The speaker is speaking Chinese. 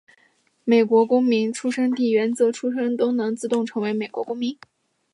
美国公民出生地原则出生的人都能自动成为美国公民。